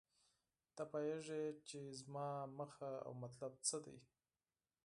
ته پوهیږې چې زما موخه او مطلب څه دی